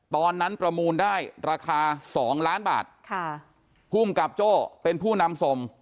ประมูลได้ราคาสองล้านบาทค่ะภูมิกับโจ้เป็นผู้นำส่ง